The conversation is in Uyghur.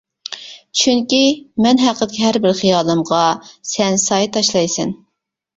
چۈنكى مەن ھەققىدىكى ھەر بىر خىيالىمغا سەن سايە تاشلايسەن.